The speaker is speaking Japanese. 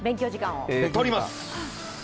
とります！